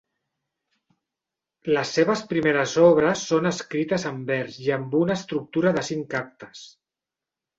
Les seves primeres obres són escrites en vers i amb una estructura de cinc actes.